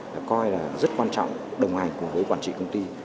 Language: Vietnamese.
đã coi là rất quan trọng đồng hành với quản trị công ty